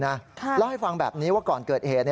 เล่าให้ฟังแบบนี้ว่าก่อนเกิดเหตุ